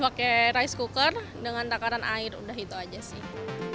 pakai rice cooker dengan takaran air udah itu aja sih